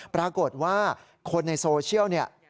ปรากฏว่าคนในโซเชียล